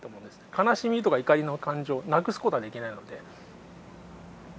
悲しみとか怒りの感情をなくすことはできないので。